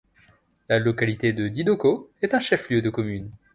La localité de Didoko est un chef-lieu de commune.